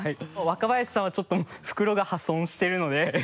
若林さんはちょっともう袋が破損しているので。